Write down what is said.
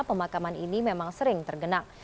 pemakaman ini memang sering tergenang